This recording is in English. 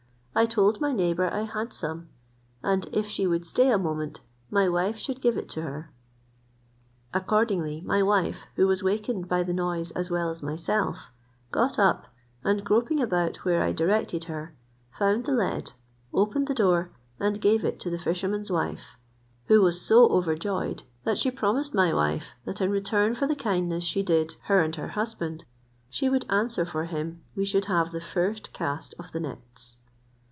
I told my neighbour I had some; and if she would stay a moment my wife should give it to her. Accordingly, my wife, who was wakened by the noise as well as myself, got up, and groping about where I directed her, found the lead, opened the door, and gave it to the fisherman's wife, who was so overjoyed that she promised my wife, that in return for the kindness she did her and her husband, she would answer for him we should have the first cast of the nets.